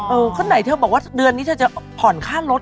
คนไหนเธอบอกว่าเดือนนี้เธอจะผ่อนค่ารถ